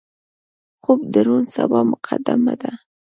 خوب د روڼ سبا مقدمه ده